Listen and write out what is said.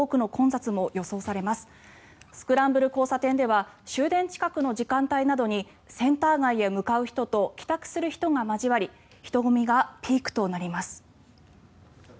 スクランブル交差点では終電近くの時間帯などにセンター街へ向かう人と帰宅する人が交わり人混みがピークとなります。